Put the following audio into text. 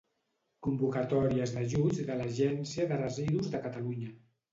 Convocatòries d'ajuts de l'Agència de Residus de Catalunya.